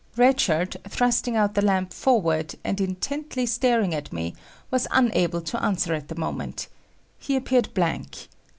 Red Shirt, thrusting out the lamp forward, and intently staring at me, was unable to answer at the moment. He appeared blank.